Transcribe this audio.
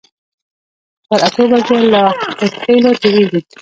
پر اتو بجو له هودخېلو تېرېږي.